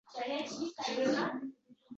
Asrdosh birodar